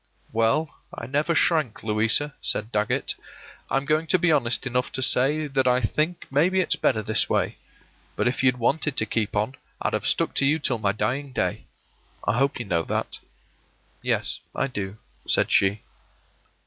“Well, I never shrank, Louisa,” said Dagget. “I'm going to be honest enough to say that I think maybe it's better this way; but if you'd wanted to keep on, I'd have stuck to you till my dying day. I hope you know that.” “Yes, I do,” said she.